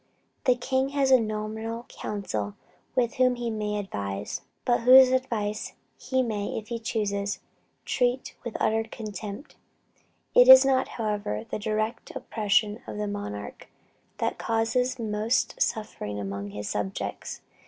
The king has a nominal council with whom he may advise, but whose advice he may, if he chooses, treat with utter contempt. It is not, however, the direct oppression of the monarch that causes most suffering among his subjects.